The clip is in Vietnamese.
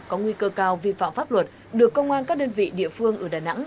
có nguy cơ cao vi phạm pháp luật được công an các đơn vị địa phương ở đà nẵng